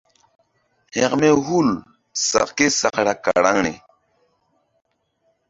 Hȩkme hul késakra karaŋri.